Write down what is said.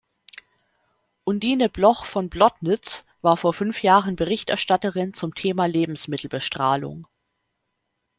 Undine Bloch von Blottnitz war vor fünf Jahren Berichterstatterin zum Thema Lebensmittelbestrahlung.